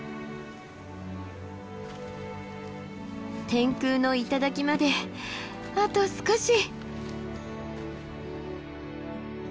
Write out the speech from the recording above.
天空の頂まであと少し！